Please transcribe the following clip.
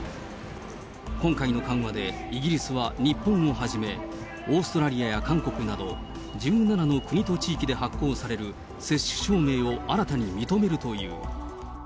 今回の緩和で、イギリスは日本をはじめ、オーストラリアや韓国など、１７の国と地域で発行される接種証明を新たに認めるという。